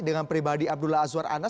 dengan pribadi abdullah azwar anas